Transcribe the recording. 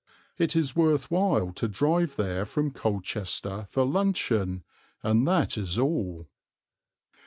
It is worth while to drive there from Colchester for luncheon, and that is all.